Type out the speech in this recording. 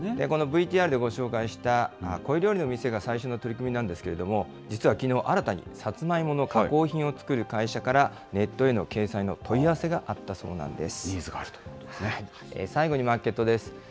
このＶＴＲでご紹介した、コイ料理の店が最初の取り組みなんですけれども、実はきのう、新たにサツマイモの加工品を作る会社からネットへの掲載の問い合わせがあったそうなんです。